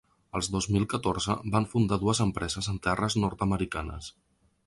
El dos mil catorze van fundar dues empreses en terres nord-americanes.